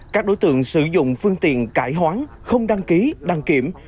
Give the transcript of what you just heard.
các đối tượng sử dụng phương tiện cải hoán không đăng ký đăng kiểm